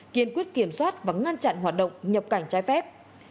kiên quyết kiểm soát và ngăn chặn hoạt động nhập cảnh trái phép